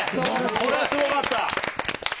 これはすごかった。